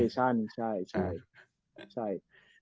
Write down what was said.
ใช่